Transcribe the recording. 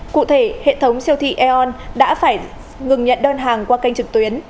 cụ thể hệ thống siêu thị e on đã phải ngừng nhận đơn hàng qua kênh trực tuyến